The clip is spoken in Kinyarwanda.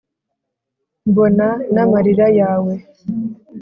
mbona n’amarira yawe,